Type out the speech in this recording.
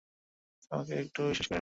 তোমায় আমি একটুও বিশ্বাস করি না।